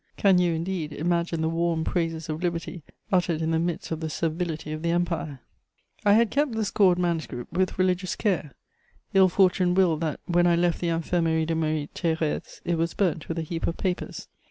Can you, indeed, imagine the warm praises of liberty uttered in the midst of the servility of the Empire? I had kept the scored manuscript with religious care; ill fortune willed that, when I left the Infirmerie de Marie Thérèse, it was burnt with a heap of papers.